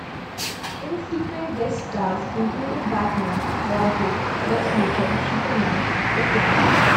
Infrequent guest stars included Batman, Bob Hope, Lex Luthor, Superman, the Flash.